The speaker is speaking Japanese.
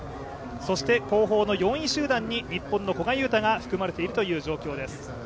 そして後方の４位集団に、日本の古賀友太が含まれているという状況です。